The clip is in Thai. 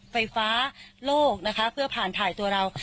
ไฟฟ้าโลกนะคะเพื่อผ่านถ่ายตัวเรา